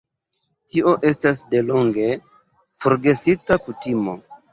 Tio estas delonge forgesita kutimo.